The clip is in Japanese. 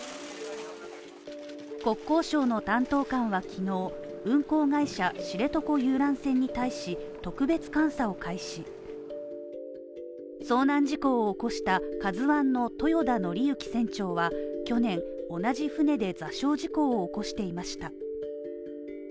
国交省の担当官は昨日、運航会社知床遊覧船に対し特別監査を開始遭難事故を起こした「ＫＡＺＵ１」の豊田徳幸船長は去年、同じ船で座礁事故を起こしていました。